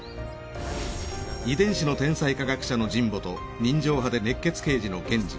遺伝子の天才科学者の神保と人情派で熱血刑事の源次。